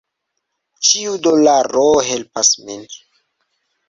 Ĉiu dolaro helpas min.